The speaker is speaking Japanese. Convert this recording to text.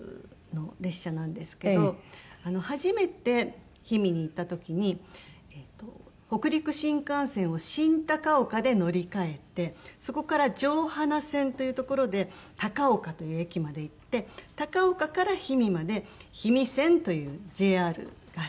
初めて氷見に行った時に北陸新幹線を新高岡で乗り換えてそこから城端線というところで高岡という駅まで行って高岡から氷見まで氷見線というＪＲが走ってるんですね。